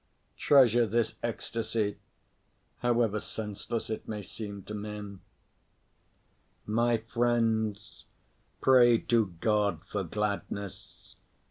Treasure this ecstasy, however senseless it may seem to men. My friends, pray to God for gladness.